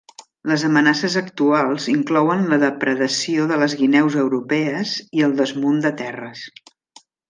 Les amenaces actuals inclouen la depredació de les guineus europees i el desmunt de terres.